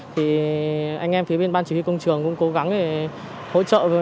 thì anh em phía bên ban chỉ huy công trường cũng cố gắng để hỗ trợ